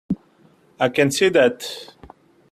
I can see that.